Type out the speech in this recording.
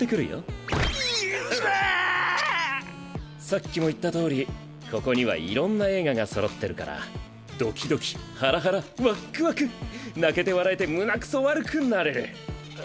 さっきも言ったとおりここにはいろんな映画がそろってるからドキドキハラハラワックワク泣けて笑えて胸くそ悪くなれる。